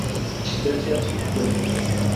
বেঁচে আছি কী করে?